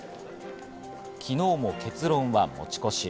昨日も結論は持ち越し。